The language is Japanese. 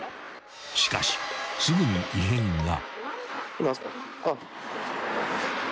［しかしすぐに異変が］